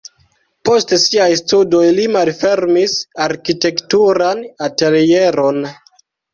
Post siaj studoj li malfermis arkitekturan atelieron.